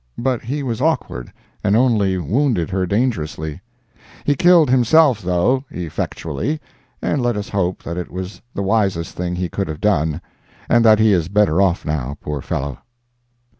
But he was awkward, and only wounded her dangerously. He killed himself, though, effectually, and let us hope that it was the wisest thing he could have done, and that he is better off now, poor fellow.